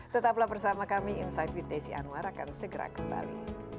tetaplah bersama kami insight with desi anwar akan segera kembali